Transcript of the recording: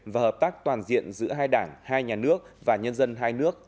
và hợp tác toàn diện giữa hai đảng hai nhà nước và nhân dân hai nước